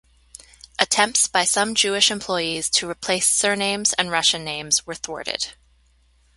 Attempts by some Jewish employees to replace surnames and Russian names were thwarted.